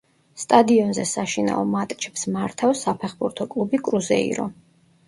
სტადიონზე საშინაო მატჩებს მართავს საფეხბურთო კლუბი „კრუზეირო“.